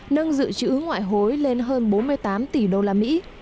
nâng dự trữ ngoại hối lên hơn bốn tỷ usd